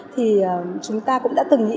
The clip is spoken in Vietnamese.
thì chúng ta cũng đã từng nghĩ